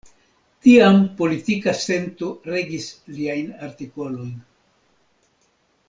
Tiam politika sento regis liajn artikolojn.